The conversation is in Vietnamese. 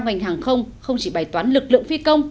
ngành hàng không không chỉ bài toán lực lượng phi công